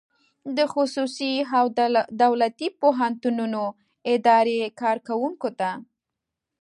د خصوصي او دولتي پوهنتونونو اداري کارکوونکو ته